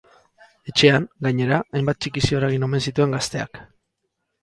Etxean, gainera, hainbat txikizio eragin omen zituen gazteak.